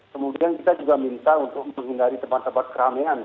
kemudian kita juga minta untuk menghindari tempat tempat keramaian